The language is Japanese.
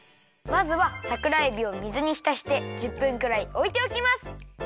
まずはさくらえびを水にひたして１０分くらいおいておきます。